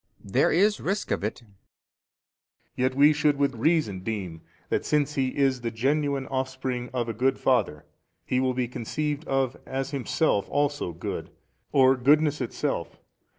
B. There is risk of it. A. Yet we should with reason deem that since He is the genuine Offspring of a Good Father, He will be conceived of as Himself also Good, or Goodness itself.